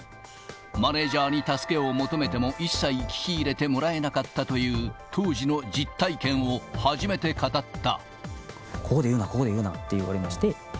マネージャーに助けを求めても、一切聞き入れてもらえなかったという当時の実体験を初めて語った。